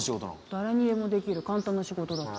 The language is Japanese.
誰にでもできる簡単な仕事だって。